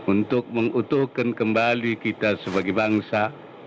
untuk mengutuhkan kembali kita sebagai bangsa